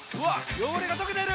汚れが溶けてる！